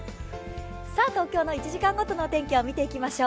東京の１時間ごとの天気を見ていきましょう。